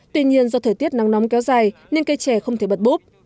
tuy nhiên do thời tiết nắng nóng kéo dài nên cây chè không thể bật búp